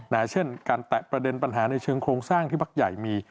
เช่นการแตะประเด็นปัญหาในเชิงโครงสร้างที่พักใหญ่มี